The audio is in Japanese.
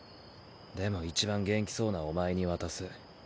でもいちばん元気そうなお前に渡す。